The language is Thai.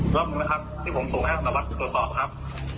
รับควรนะครับที่ผมส่งให้เจ้าสารวัฒน์ตรวจสอบครับ